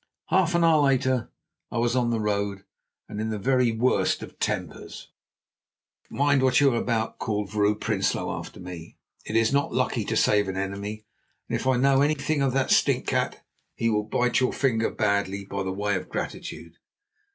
Half an hour later I was on the road in the very worst of tempers. "Mind what you are about," called Vrouw Prinsloo after me. "It is not lucky to save an enemy, and if I know anything of that stinkcat, he will bite your finger badly by way of gratitude.